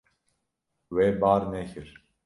We bar nekir.